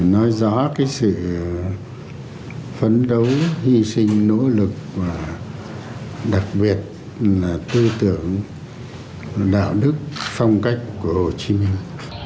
nói rõ cái sự phấn đấu hy sinh nỗ lực đặc biệt là tư tưởng đạo đức phong cách của hồ chí minh